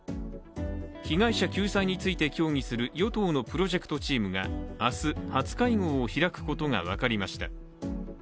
被害者救済について協議する与党のプロジェクトチームが明日初会合を開くことが分かりました。